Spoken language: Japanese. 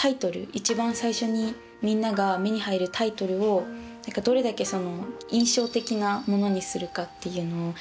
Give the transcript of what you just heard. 一番最初にみんなが目に入るタイトルをどれだけ印象的なものにするかっていうのを一番意識してます。